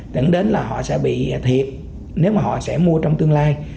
dẫn đến là họ sẽ bị thiệt nếu mà họ sẽ mua trong tương lai